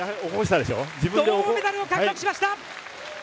銅メダルを獲得しました！